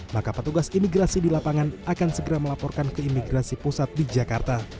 maka petugas imigrasi di lapangan akan segera melaporkan ke imigrasi pusat di jakarta